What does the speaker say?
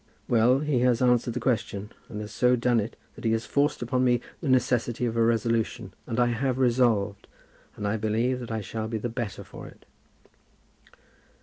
Well; he has answered the question; and has so done it that he has forced upon me the necessity of a resolution. I have resolved, and I believe that I shall be the better for it."